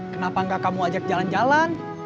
kenapa gak kamu ajak jalan jalan